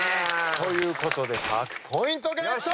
ということで１００ポイントゲット！